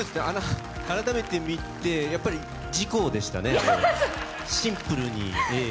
改めて見て、やっぱり事故でしたね、シンプルに、ええ。